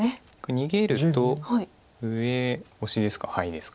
逃げると上オシですかハイですか。